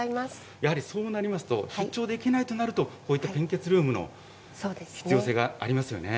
やはりそうなりますと、出張できないとなるとこういった献血ルームの必要性がありますよね。